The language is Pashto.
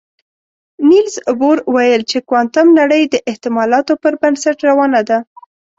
نيلز بور ویل چې کوانتم نړۍ د احتمالاتو پر بنسټ روانه ده.